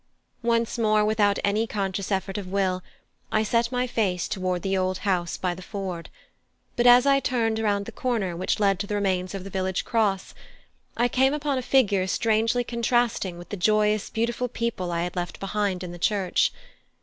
Once more without any conscious effort of will I set my face toward the old house by the ford, but as I turned round the corner which led to the remains of the village cross, I came upon a figure strangely contrasting with the joyous, beautiful people I had left behind in the church.